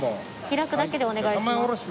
開くだけでお願いします。